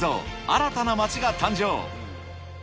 新たな街が誕生。